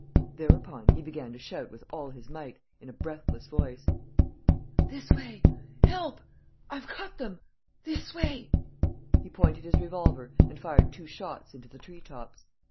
Thereupon he began to shout with all his might, in a breathless voice: "This way!... Help!... I've got them!... This way!" He pointed his revolver and fired two shots into the tree tops.